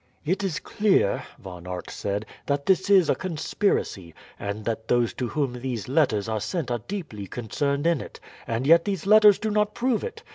"It is clear," Von Aert said, "that this is a conspiracy, and that those to whom these letters are sent are deeply concerned in it, and yet these letters do not prove it.